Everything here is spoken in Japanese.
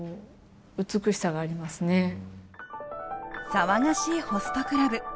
騒がしいホストクラブ。